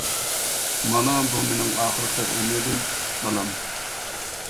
مانا بۇ مېنىڭ ئاخىرقى ئۈمىدىم، بالام.